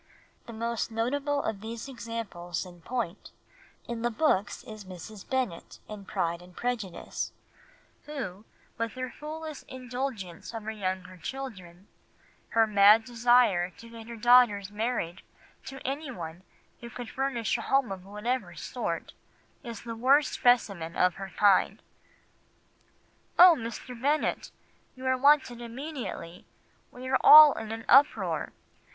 The most notable of the examples in point in the books is Mrs. Bennet in Pride and Prejudice, who, with her foolish indulgence of her younger children, her mad desire to get her daughters married to anyone who could furnish a home of whatever sort, is the worst specimen of her kind. "'Oh, Mr. Bennet, you are wanted immediately; we are all in an uproar.